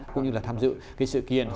cũng như là tham dự cái sự kiện